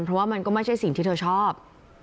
เพราะว่ามันก็ไม่ใช่สิ่งที่เธอชอบ